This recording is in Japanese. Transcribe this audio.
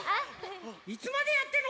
いつまでやってんの？